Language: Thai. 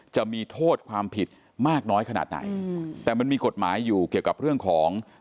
จะมีโทษความผิดมากน้อยขนาดไหนแต่มันมีกฎหมายอยู่เกี่ยวกับเรื่องของ